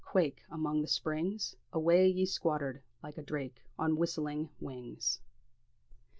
quaick!' Among the springs Awa' ye squattered, like a drake, On whistling wings."